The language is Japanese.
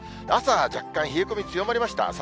朝、若干冷え込み強まりました。